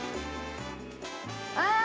ああ！